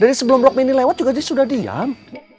jadi sebelum rock mini lewat juga sudah diam